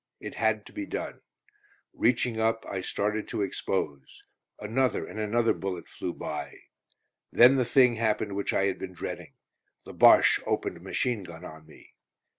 It had to be done; reaching up, I started to expose. Another and another bullet flew by. Then the thing happened which I had been dreading. The Bosche opened a machine gun on me.